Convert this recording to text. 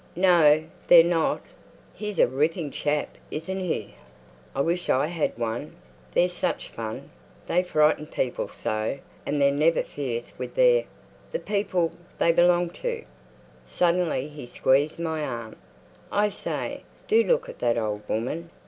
"No, they're not." "He's a ripping chap, isn't he? I wish I had one. They're such fun. They frighten people so, and they're never fierce with their—the people they belong to." Suddenly he squeezed my arm. "I say, do look at that old woman.